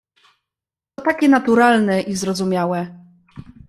"To takie naturalne i zrozumiałe."